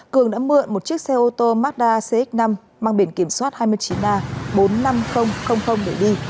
cường đã mượn một chiếc xe ô tô mazda cx năm mang biển kiểm soát hai mươi chín a bốn mươi năm nghìn để đi